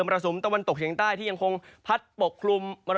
รสุมตะวันตกเฉียงใต้ที่ยังคงพัดปกคลุม